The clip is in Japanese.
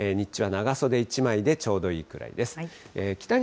日中は長袖１枚でちょうどいいくらいです。